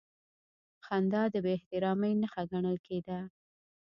خندا د بېاحترامۍ نښه ګڼل کېده.